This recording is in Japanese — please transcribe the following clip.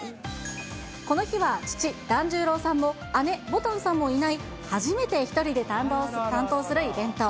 この日は父、團十郎さんも、姉、ぼたんさんもいない初めて１人で担当するイベント。